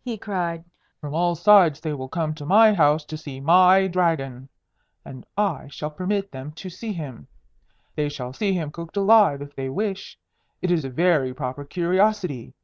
he cried. "From all sides they will come to my house to see my Dragon. And I shall permit them to see him. They shall see him cooked alive, if they wish. It is a very proper curiosity.